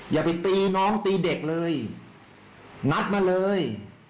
อย่าไปตีน้องตีเด็กเลยนัดมาเลย